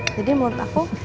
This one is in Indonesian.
jadi menurut aku